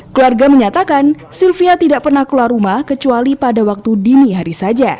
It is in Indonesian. keluarga menyatakan sylvia tidak pernah keluar rumah kecuali pada waktu dini hari saja